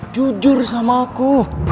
jujur sama aku